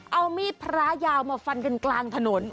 เอามีดพระยาวมาฟันกันกลางถนน